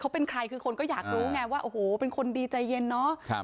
เขาเป็นใครคือคนก็อยากรู้ไงว่าโอ้โหเป็นคนดีใจเย็นเนาะ